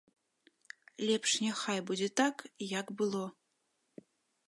Лепш няхай будзе так, як было.